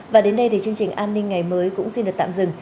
và đến đây thì chương trình an ninh ngày mới cũng xin được tạm dừng